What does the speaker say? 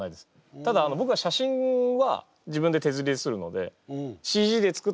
ただぼくは写真は自分で手刷りするのでへえ。